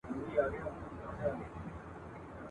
ځایوم پکښي لس غواوي شل پسونه !.